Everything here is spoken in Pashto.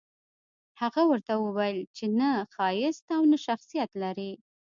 هغه ورته وويل چې نه ښايسته يې او نه شخصيت لرې.